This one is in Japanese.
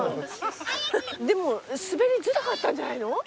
でも滑りづらかったんじゃないの？